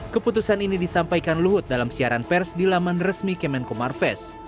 keputusan ini disampaikan luhut dalam siaran pers di laman resmi kemenko marves